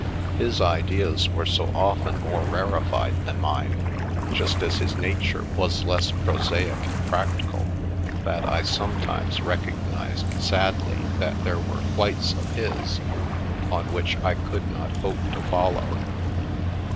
His ideas were so often more rarefied than mine, just as his nature was less prosaic and prac tical, that I sometimes recognised sadly that there were flights of his on which I could not hope to follow.